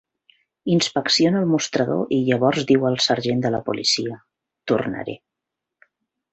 Inspecciona el mostrador i llavors diu al sergent de la policia: tornaré.